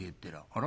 あら？